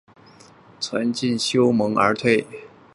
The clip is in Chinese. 存敬修盟而退。